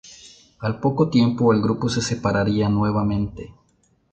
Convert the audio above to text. Al poco tiempo, el grupo se separaría nuevamente.